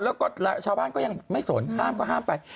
แล้วก็ชาวบ้านก็ยังไม่สนห้ามก็ห้ามไป